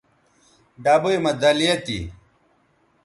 ڈبئ مہ دَلیہ تھی